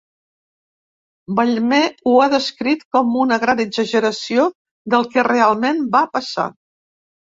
Ballmer ho ha descrit com una gran exageració del que realment va passar.